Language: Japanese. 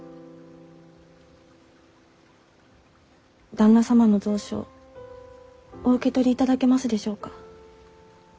旦那様の蔵書お受け取りいただけますでしょうか？